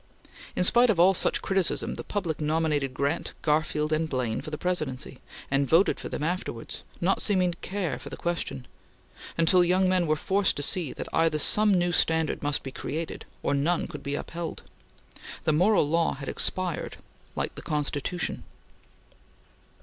In spite of all such criticism, the public nominated Grant, Garfield, and Blaine for the Presidency, and voted for them afterwards, not seeming to care for the question; until young men were forced to see that either some new standard must be created, or none could be upheld. The moral law had expired like the Constitution.